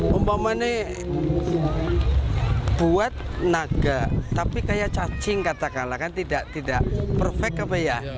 umpamanya buat naga tapi kayak cacing katakanlah kan tidak perfect apa ya